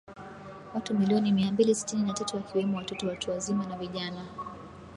watu milioni mia mbili sitini na tatu wakiwemo watoto watu wazima na vijana